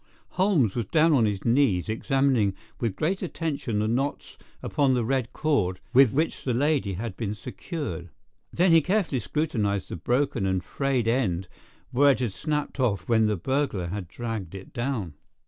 Holmes was down on his knees, examining with great attention the knots upon the red cord with which the lady had been secured. Then he carefully scrutinized the broken and frayed end where it had snapped off when the burglar had dragged it down.